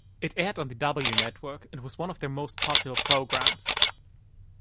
It aired on the W Network and was one of their most popular programs.